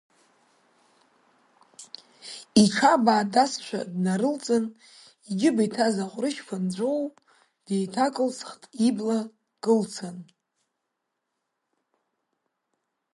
Иҽабаа дасшәа днарылҵын, иџьыба иҭаз аҟәрышьқәа нҵәоу, деиҭакылсыхт ибла кылцан…